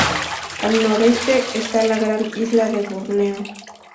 Al noreste está la gran isla de Borneo.